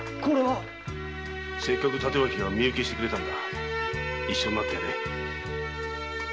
せっかく帯刀が身請けしたんだ一緒になってやれ。